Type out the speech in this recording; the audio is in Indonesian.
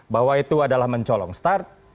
bahwa itu adalah mencolong start